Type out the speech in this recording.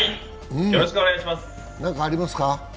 何かありますか？